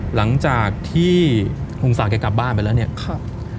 หลังจากที่ลุงศักดิ์กลับบ้านไปแล้วเนี่ยครับ